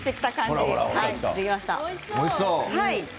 おいしそう。